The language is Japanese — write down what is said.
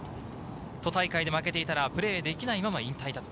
都大会で負けていたらプレーできないまま引退だった。